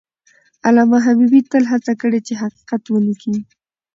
علامه حبیبي تل هڅه کړې چې حقیقت ولیکي.